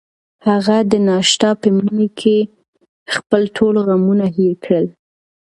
هغه د ناتاشا په مینه کې خپل ټول غمونه هېر کړل.